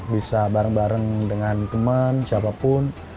bisa bareng bareng dengan teman siapapun